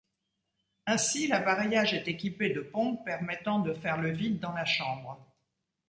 Ainsi, l’appareillage est équipé de pompes permettant de faire le vide dans la chambre.